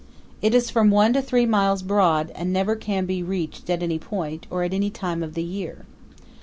It is from one to three miles broad, and never can be reached at any point, or at any time of the year.